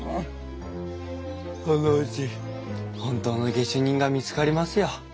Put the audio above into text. そのうち本当の下手人が見つかりますよ。